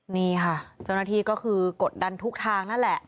นี่ค่ะเจ้าหน้าที่ก็คือกดดันทุกทางนั่นแหละ